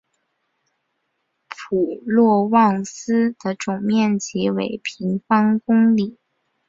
普罗旺斯的总面积为平方公里。